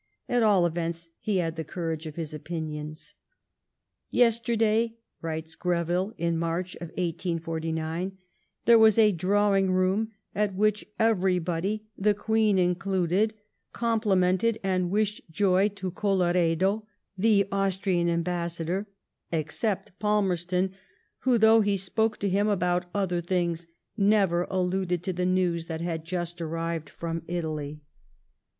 At all events, he had the courage of his opinions. Yesterday [writes Greville in March 1849] there was a Drawing room, at which everybody, the Qneen included, complimented and wished joy to Colloredo (the Austrian ambassador), except Falmer ston, who, though he spoke to him about other things, never alluded to the news that had just arrived from Italy.